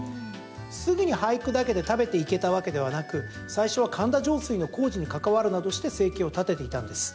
すぐに俳句だけで食べていけたわけではなく最初は神田上水の工事に関わるなどして生計を立てていたんです。